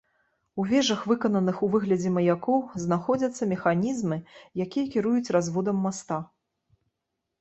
У вежах, выкананых у выглядзе маякоў, знаходзяцца механізмы, якія кіруюць разводам моста.